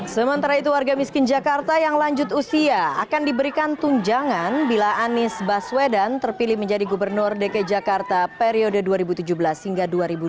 sementara itu warga miskin jakarta yang lanjut usia akan diberikan tunjangan bila anies baswedan terpilih menjadi gubernur dki jakarta periode dua ribu tujuh belas hingga dua ribu dua puluh empat